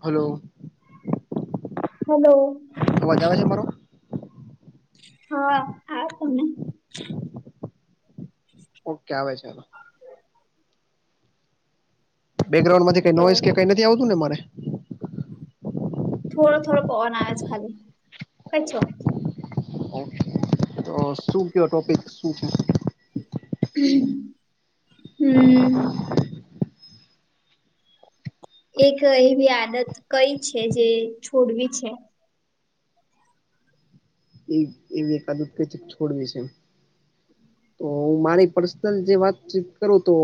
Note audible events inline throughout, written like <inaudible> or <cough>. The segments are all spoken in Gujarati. હલો. હલો. અવાજ આવે છે મારો? હા, હા તમને? ઓ કે આવે છે હવે. બેકગ્રઉન્ડ માંથી કઈ તો નોઇસ કે કઈ નથી આવતું ને મારે? થોડો થોડો પવન આવે છે ખાલી. કઈ છો? ઓ કે. તો શું ક્યો ટોપિક શું છે? હમ્મ. એક એવી આદત કઈ છે જે છોડવી છે? એ એવી એકાદુ કેથી છોડવી છે તો હું મારી પર્સનલ જે વાત કરું તો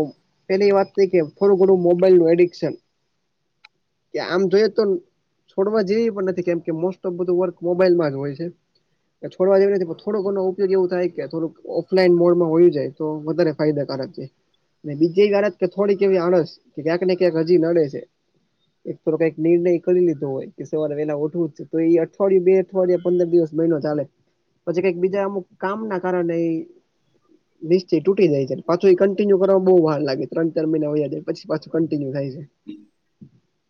પેલી વાત થઈ કે થોડું ઘણું મોબાઈલ નું એડિકશન કે આમ જોઈ તો છોડવા જેવી પણ નથી કેમકે મોસ્ટ ઓફ બધું વર્ક મોબાઈલમાં જ હોય છે છોડવા જે એ નથી થોડો ઘનો ઉપયોગ એવું થાય કે થોડું ઓફલાઈન મોડમાં હોય જાય તો વધારે ફાયદાકારક છે ને બીજી એ વાત કે થોડીક એવી આણસ કે ક્યાંક ને ક્યાંક હજી નડે છે એક થો કઈક નિર્ણય કરી લીધો હોય કે સવારે એલા ઉઠવું જ છે તો એ અઠવાડિયે બે અઠવાડિયા પંદર દિવસ મહિનો ચાલે પછી કઈક બીજા અમુક કામ ના કારણે <unintelligible> નિશ્ચય તૂટી જાય છે પાછું એ કન્ટિન્યુ કરવાવામાં બઉુ ભાર લાગે ત્રણ ચાર મહિના વાયા જાય પી પાછું કન્ટિન્યુ થાય છે <unintelligible>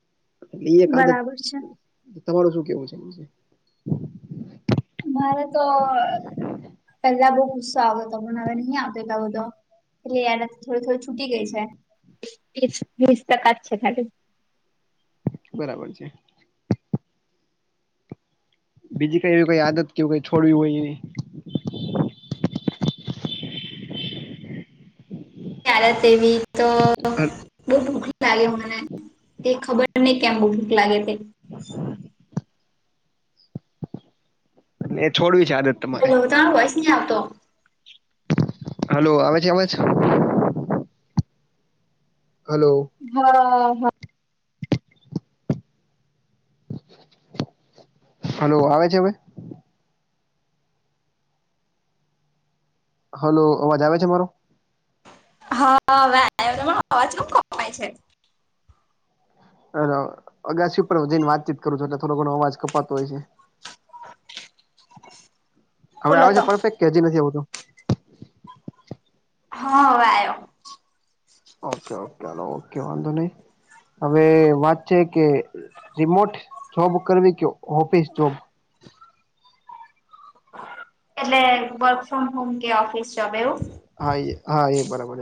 એક આદત બરાબર છે તમારું શું કેવું છે મારે તો પેલા બઉ ગુસ્સો આવ્યો હતો મને હવે નહી આવતો એટલે એના થોડું થોડું છૂટી ગય છેસ વીસ ટકા જ છે ખાલી બરાબર છે બીજી કઈ એવી કઈ આદત કેું કઈ છોડવી હોય એ ત્યારે એવી તો બહુ ભૂખ લાગે મને તે ખબર નહી કેમ બહુ ભૂખ લાગે તે એ છોડવી છે આદત તમારે હલો તમારો વોઇસ નથી આવતો હલો આવે છે અવાજ હલો હા હા હલો આવે છે અવે હલો અવાજ આવે છે મારો હા અવાજ કેમ કપાય છે અ અગાસી ઉપર જઈને વાતચીત કરું છું એટલે થોડો અવાજ કપાતો હોય છે હવે બોલો આવે તો છે પરફેક્ટ કેજી નથી આવતું હ હવે આવ્યો ઓકે ઓકે હ ઓકે વાંધો ન હવે વાત છે કે રિમોટ જોબ કરવી કે ઓફિસ જોબ <unintelligible> એટલે વર્ક ફ્રોમ હોમ કે ઓફિસ જોબ એવું હા એ હા એ બરાબર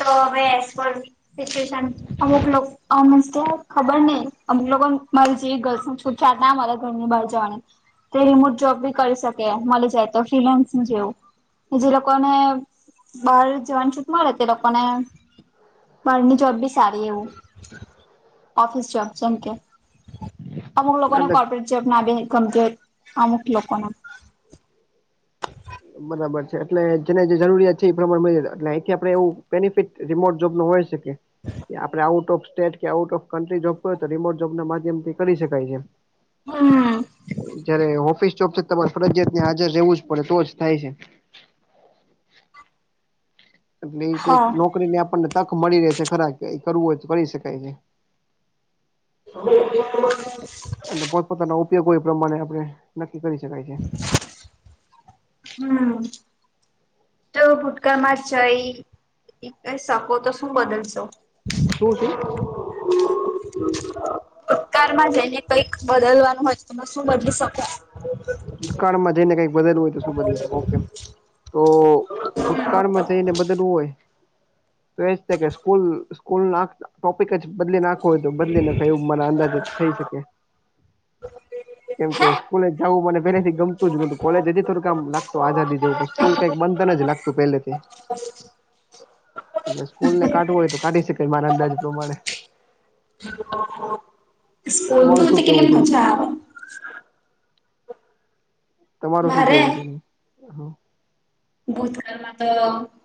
તો હવે એસ પર સિટીયેશન અમુક ખબર નહીં અમુક લોકો મારી જેવી ગર્લ્સ તું છાત ના મારા ઘરની ભાજવા <unintelligible> <inaudible> તે રિમોટ જોબ બી કરી શકે મળી જાય તો ફિલાન્સ ને જેવું કે જે લોકોને બાર જવાની છૂટ મળે તો તે લોકો આપ બાર ની જોબ બી સારી એવું ઓફિસ જોબ છે અમુક લોકોને નાટક કોર્પોરેટ જોબ ના બી ગમતી હોય અમુક લોકોને બરાબર છે એટલે જેને જે જરૂરિયાત છે એ પ્રમાણે મળી જ એટલે અહીંથી આપણે એવું બેનિફિટ રિમોટ જોબ નો હોય શકે કે આપણે આઉટ ઓફ સ્ટેટ કે આઉટ ઓફ કન્ટ્રી જોબ કરય તો રીમોટ જોબ ના માધ્યમ થી કરી શકાય છે. હમ જયારે ઓફિસ ચોફ છે તમારે ફરજયાિયાત ત્યાં હાજર રહેવું જ પડે તો જ થાય છે. એટલે એ રીતે નોકરીને આપણને તક મળી રહે છે ખરા કે કરવું હોય તો કરી શકાય છે. હ <inaudible> પોતપોતાના ઉપયોગો એ પ્રમાણે આપણે નક્કી કરી શકાય છે હમ જો ભૂટકા માર જઈ કહી શકો તો શું બદલશો <unintelligible> શું શું ભૂતકાળમાં જને કઈક બદલવાનું હોય તો શું બદલી શકે ભૂતકાળમાં જઈને કઈક બદલું હોય તો શું બદલી શકે તો ભૂતકાળમાં <unintelligible> ને બદલવુ હોય તો એજ કે સ્કૂલ સ્કૂલ ટોપિક જ બદલે નાખો હોય તો બદલી નાખ કયું મને અંદાજે થઈ શકે કેમ કે સ્કૂલે જવું મને પેલેથી ગમતું જ નોતું કોલેજ હજી થોડુંક આમ લાગતું આઝાદી જેવું પણ સ્કૂલ કઈક બંધ ન જ લાગતું પહેલેથી. <inaudible> એલે સ્કૂલ ને કાઢવું હોય તો કાઢી શકાય મારા અંદાજ પ્રમાણે સ્કૂલ <unintelligible> તમારું શું કેવું કેટલીક છે? મજા આવે. તમાર શું મારે કેવું છે? ભૂતકાળમાં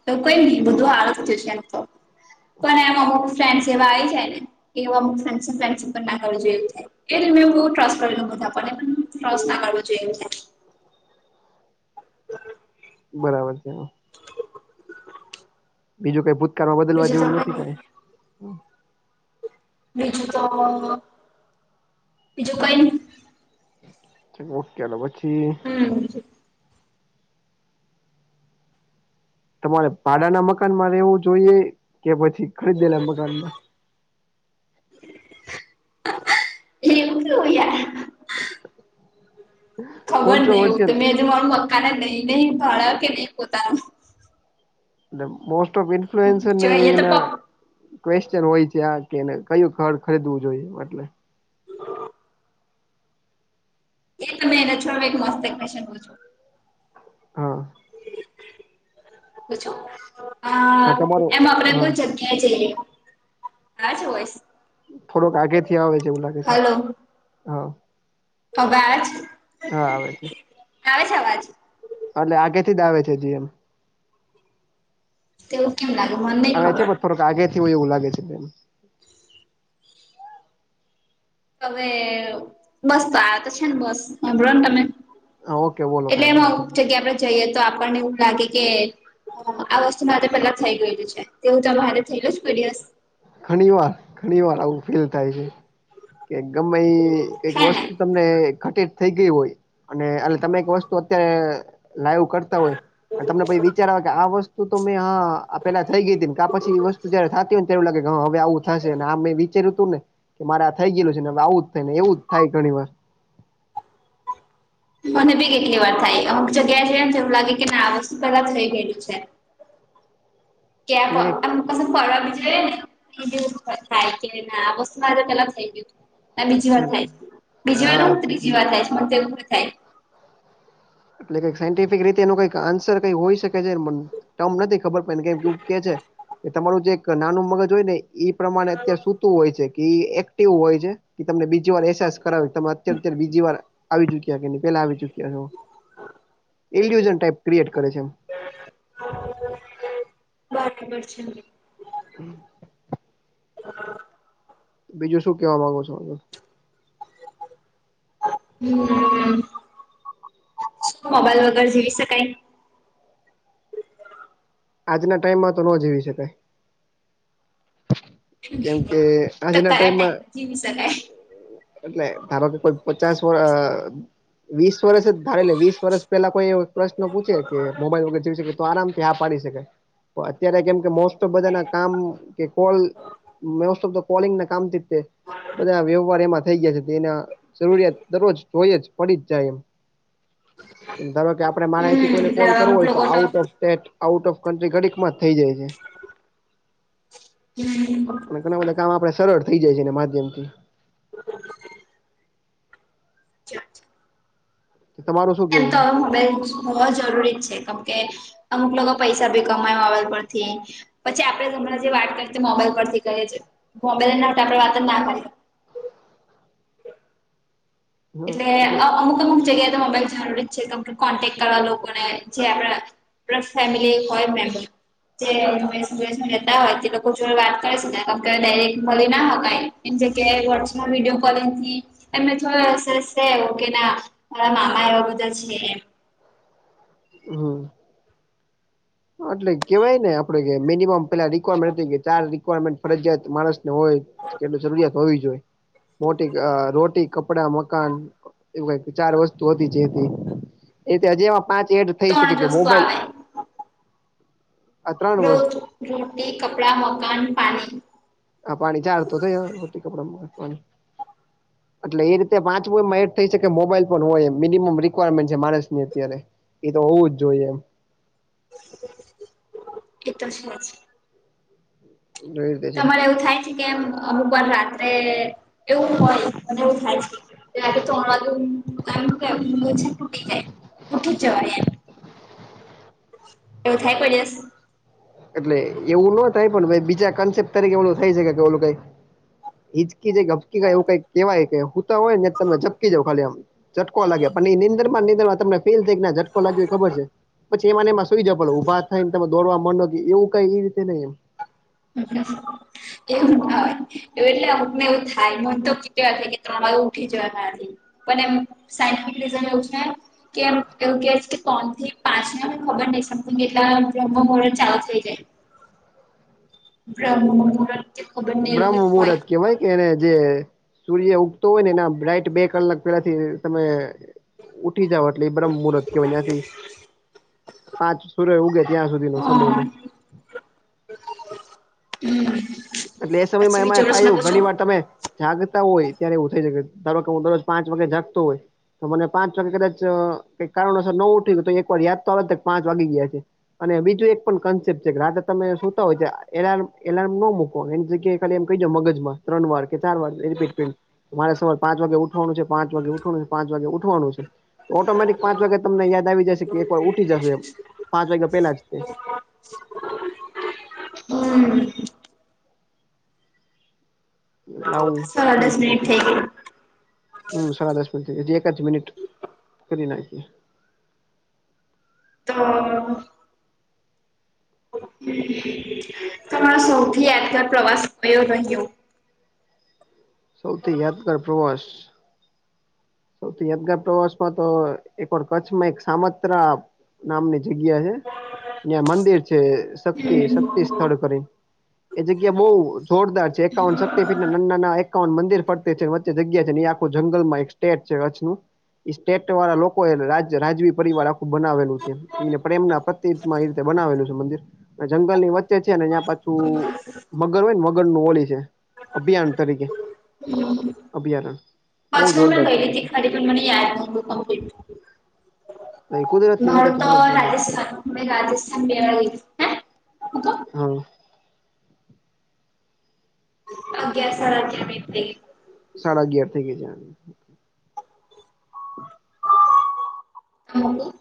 તો કઈ ની બધું હારુ થય છે એમ તો પણ અમુક ફ્રેન્ડ એવા આવી જાય ને એવા <unintelligible> ના કરજ જો એવું થાય એટલે મેં બો ટ્રસ કરલો બધા પર એમ ટ્રસ ના કરવો જોઈએ એવું થાય. <inaudible> બરાબર છે. બીજું કઈ ભૂતકાળમાં બદલવા જેવું નથી થાય કઈ બીજું તો બીજું કઈ ઓકે તો પછી હમ્મ. તમારે ભાડા ના મકાનમાં રહેવું જોઈએ કે પછી ખરીદેલા મકાનમાં એવું કેવું <inaudible> યાર ખબર નય એવું તો કોન્ટ્રોવર્સિયલ મે મારું મકાને નહી નહીં ભાડા કે નહીં પોતાનું મોસ્ટ ઓફઇન્ફ્લુઅન્સર જો ને એ તો પપ એના ક્વેશ્ચન હોય છે આ કે કયું ઘર ખરીદવું જોઈએ એટલે <inaudible> એ તમે એને છોડ એક મસ્ત ક્વેસચન પૂછુ હા પૂછું હા તમારો એમાં આપડે હા કોઈ જગ્યા એ જઈએ આવે છે વોઇસ થોડોક આગેથી આવે છે એવું લાગે છે હા અવાજ હા આવે છે. આવે છે અવાજ અલે આગેથી જ આવે છે જી એમ તેવું કેમ લાગે મને નહી ખબર. રાગે થી હોય એવું લાગે છે. હવે બસ તો આ તો છે ને બસ સાભળો ને તમે હા ઓકે બોલો એટલે કાંઈ એમાં વાંધો અુક નઈ જગ્યા આપડે જઈએ તો આપણને એવું લાગે કે આ વસ્તુ મારે પેલા થઈ ગયેલું છે તેવું તમાંર હાતે થયલું જ કોઈ દિવસ ઘણી વાર ઘણી વાર આવું ફીલ થાય છે. કે ગમે કઈક હે ને વસ્તુ તમને ઘટિત થઈ ગ‌ઈ હોય. અને એ તમે એક વસ્તુ અત્યારે લાઈવ કરતા હોય. તમને પછે વિચાર આવે કે આ વસ્તુ તો મે આ આ પેલા થઈ ગઈ તી કા પછી એ વસ્તુ જારે થાતી હો ત્યારે લાગે કે હવે આવું. થશે ને આ મેં વિચાર્યું હતું ને કે મારે આ થઈ ગયેું છે ને હવે આવું જ થાય ને એવું જ થાય ઘણી વાર મને ભી કેટલી વાર થાય અમુક જગ્યાએ જ ને એવું લાગે કે આ વસ્તુ પેલા થઈ ગયુ છે. એને <unintelligible> કસે ફરવા બી જઈએ ને થાય કે ના આ વસ્તુ માજે પેલા થઈ ગયુ તું આ બીજી વાર થાય છે બીજી વારનું હું કઈક ત્રીજી વાર થાય છે મને તો એવું બી થાય એટલે કઈ સાયન્ટિફિક રીતે એનું કઈ આન્સર કઈ હોય શકે છે ટમ નથી ખબર મને કેમ કે કે છે કે તમારું જે એક નાનું મગજ હોય ને ઈ પ્રમાણે અત્યારે સુૂતું હોય છેઈ કે એક્ટિવ હોય છે. કે તમને બીજી વાર એહેસાસ કરાવે તમે અત્યારે અત્યારે બીજી વાર આવી ચુક્યા કે પેલાં આવી ચુક્યા છો એલઝન ટાઈપ ક્રિએટ કરે છે. બ ખબર છે <unintelligible> હમ <inaudible> બીજું શું કેવા માંગુ છો હવે. હમ શું મોબાઈલ વગર જીવી શકાય આજના ટાઈઇમમાં તો ન જીવી શકાય. કેમ કે તો કયા આજના ટાઈમમાં જીવી શકાય એટલે ધારો કે કોઈ પચાસ વર્ વીસ વર્ષ જ ધારે લે વીસ વર્ષ પેલા કોઈ એ પ્રશ્ન પૂછે કે મોબાઈલ વગર જેવી શ તો આરામથી હા પાડી શકે તો અત્યારે કેમ કે મોસ્ટ બધા ના કામ કે call most of the calling ના કામ થી તે બધા વ્યવહાર એમાંથી થઈ ગયા છે એના જરૂરિયાત દરરોજ જોઈ જ પડી જ જાય એમ એમ ધમે કે આપડે મારે અહીંથી કોઈને હમ્મ કોલ એટલે કરવો અમુક હોય તો લોકો out hmm of out of country ઘડીક માં જ થઇ જાય છે. હમ <unintelligible> અને ઘણા બધા કામ આપડે સરળ થઈ જાય છે એના માધ્યમથી હ <inaudible> ચ <inaudible> તમારુ શું. એમ કેવું તો છે હવે મોબાઈલ હોવો જરૂરી છે કેમકે અમુક લોકો પૈસા ભી કમાય આવે પરથી પછી આપડે હમણાં જે વાત કરીએ મોબાઈલ પરથી કરીએ છીએ મોબાઈલ આપણેે વાત ના કરીએ એટલે અમુક અમુક જગ્યાએ તમામાંબાઈલ જરૂરી છે કોન્ટેક કરવા લોકોને જે આપણા ફેમિલી હોય મેમ્બર જે દેશ- વિદેશ માં રેતા હોય તે લોકો જોડે વાત કરી શકાય કે ડાયરેક્ટ મલી ના હકાય. એમ જગ્યાએ વોટ્સમાં વિડીયો કોલિંગ થી એમે થો સર ઓકે ના મારા મામા એવા બધા છે હમ એટલે કેવાય ને આપડે કે મનિમમ પેલા રિક્વારમેન્ટ કે ચાર રિક્વારમેન્ટ ફરજિયાત માણસને હોય કે જરૂરિયાત હોવી જોઈએ મોટી રોટી કપડા મકાન એવું કાય ચાર વસ્તુ હતી જે એ હજી એ પાંચ એડ થઈ શકે ત્રણ જ કે વસ્તુ મોબાઈલ આવે આ ત્રણ રોજ વસ્તુ રોટી કપડા મકાન પાણી આ પાણી ચાર તો થયું રોટી કપડા મકાન. હ <unintelligible> એટલે એ રીતે પાચમુ એમાં એડ થઈ શકે મોબાઈલ પણ હોય એ મિનિમમ રિક્વાયરમેન્ટ છે માણસ ની અત્યારે એ તો હોવું જ જોઈએ એમ એકદમ સાચી. જો તમારે એવું થાય છે કેમ અમુક વાર રાત્રે એવું હોય મ એવું થાય છે. ે તોું <unintelligible> એમ છે તૂટી જાય ઉઠું જ જવાનું એમ એવું થઈ પડી જસ એટલે એવું ન થાય પણ બીજા કન્સેપ્ટ તરીકે ઓલું થાય છેકે કે ઓલું કઈ હિજકી જઝપકી એવું કઈ કેવાય કે હું તો હોય ને તમે જઝકી જાવ ખાલી આમ ચટકો લાગે પણ ઈ નીંદરમાં ને નીંદરમાં તમને. ફીલ થાય કે ના જટકો લાગ્યો એ ખબર છે, પછી એમાંને એમાં સુઈ જવ પણ ઉભા થઈને તમે દોડવા માંડો. એવું કઈ એ રીતે નઈ એમ. <unintelligible> એવુ ના હોય એવુ એટલે અમુકને એવું થાય, મને તો કેવા થાય કે ત્રણ વાગ્યે ઉઠી જવાય મારાથી. પણ એમ સાયન્ટિફિક રિજન એવું છે. કેમ એવું કેસ કે ત્રણ થી પાંચ ને મને ખબર નહિ સમ્થિંગ કેટલા બ્રહ્મ મોર ચાલુ થઈ જાય. બ્રાહ્મણનું મૂરત કે ખબરની એવું બ્રહ્મ કંઈક હોય. મુહૂર્ત કેહેવાય એને જે સૂર્ય ઉગતો હોય ને એના રાઈટ બે કલાક પેલા થી તમે. ઉઠી જાવ એટલે ઈ બહ્મમૂરત કેહેવાય ન્યાથી. પાંચ સુર ઉગે ત્યાં સુધી નો સમય ને. હમ. એટલે એ સમયમાં એમાં થાયું ઘણી વાર તમે. જાગતા હોય ત્યારે એવું થઈ શકે, ધારોકે હું દરરોજ પાંચ વાગે જાગતો હોય. તો મને પાંચ વાગે કદાચ કંઈક કારણોસર ન ઉઠી શકું તો એક વાર યાદ તો આવે કે પાંચ વાગી ગયા છે. અને બીજું એક પણ કન્સેપ્ટ છે કે રાતે તમે સુતા હોય એલમ એલારમ ન મૂક. એની જગ્યાએ ખાલી એમ કહીદો મગજ માં ત્રણ વાર કે ચાર વાર રપીટ કરી. મારે સવારે પાંચ વાગે ઉઠવાનું છે પાંચ વાગે ઉઠવાનું છે પાંચ વાગે ઉઠવાનું છે. તો ઓટોમેટિક પાંચ વાગ્યા તમને યાદ આવી જશે કે એક વાર ઉઠી જશો એમ પાંચ વાગ્યા પેલા જ તે. હમ. એટલે આવું સાડા થઈ દસ શકે છે. મિનિટ થઈ ગઈ હમ સાડા દસ મિનિટ એક જ મિનિટ કરી નાખએ. <unintelligible> તમારો સૌથી યાદગાર પ્રવાસ થયો રહ્યો. સૌથી યાદગાર પ્રવાસ. સૌથી યાદગાર પ્રવાસમાં તો એક વાર કચ્છમાં એક સામત્રા. નામની જગ્યા છે, ન્યા મંદિર છે શક્તિ હમ્મ શક્તિ સ્થળ કરીને. એ જગ્યા બહુ જોરદાર છે એકાવન શક્તિ પીઠ નાન નાના એ. કાવન મંદિર ફરતે છે વચ્ચે જગ્યા છે એ આખું જંગલ માં એક સ્ટેટ છે રછનું. સ્ટેટ વાળા લોકો એ રાજ રાજવી પરિવાર આખું બનાવેલું છે. એ પ્રેમના પ્રતીતમાં ઈ રીતે બનાવેલું છે મંદિર જંગલ ની વચ્ચે છે નેયાં. <unintelligible> મગર હોય ને મગર નું ઓલી છે અભયારણ તરીકે અભયારણ. બહુ જોરદાર છે. એ ખાડી બી મને યાદ છે બવ કમ્પલીટ. છે કુદરત ની વચ્ચે મારું છે તો બહુ જોરદાર જગ્યા રાજસ્થાન છે અમે રાજસ્થાન મેવાડી. હા. <unintelligible> સાડા અગિયાર થઈ ગયા છે. <unintelligible>